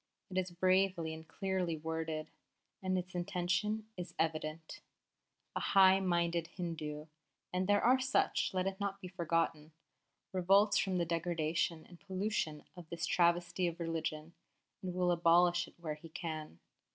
It is bravely and clearly worded, and its intention is evident. The high minded Hindu and there are such, let it not be forgotten revolts from the degradation and pollution of this travesty of religion, and will abolish it where he can.